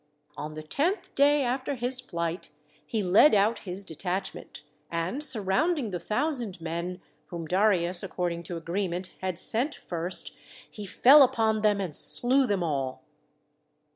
On the tenth day after his flight he led out his detachment, and surrounding the thousand men, whom Darius according to agreement had sent first, he fell upon them and slew them all.